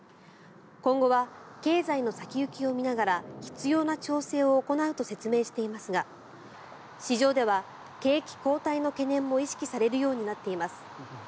今後は、経済の先行きを見ながら必要な調整を行うと説明していますが市場では、景気後退の懸念も意識されるようになっています。